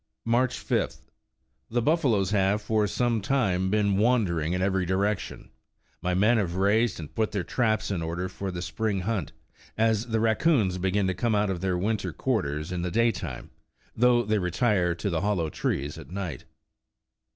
''March 5th. The buffaloes have for some time been wandering in every direction. My men have raised and put their traps in order for the spring hunt, as the rac coons begin to come out of their winter quarters in the day time, though they retire to the hollow trees at night.